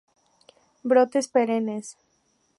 Brotes perennes.